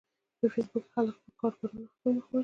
په فېسبوک کې خلک خپل کاروبارونه هم پرمخ وړي